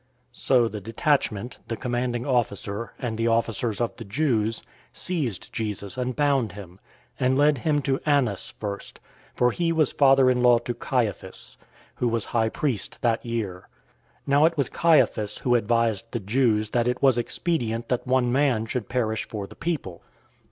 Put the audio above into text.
018:012 So the detachment, the commanding officer, and the officers of the Jews, seized Jesus and bound him, 018:013 and led him to Annas first, for he was father in law to Caiaphas, who was high priest that year. 018:014 Now it was Caiaphas who advised the Jews that it was expedient that one man should perish for the people.